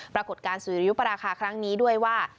ปรากฏการณ์สุริยุปราคาครั้งนี้ด้วยว่า